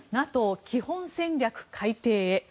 ＮＡＴＯ基本戦略改定へ。